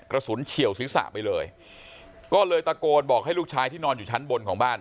เฉียวศีรษะไปเลยก็เลยตะโกนบอกให้ลูกชายที่นอนอยู่ชั้นบนของบ้าน